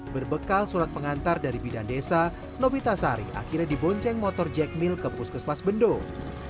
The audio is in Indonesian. berbekal surat pengantar dari bidan desa novita sari akhirnya dibonceng motor jekmil ke puskesmas bendung